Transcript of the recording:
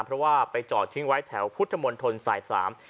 เพราะว่าไปจอดทิ้งไว้แถวพุทธมนตรสายสาม